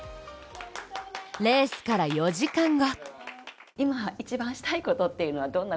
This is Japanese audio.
レースから４時間後。